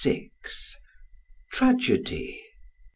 Tragedy.